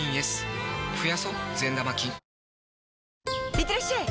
いってらっしゃい！